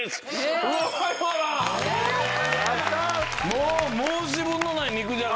もう申し分のない肉じゃが。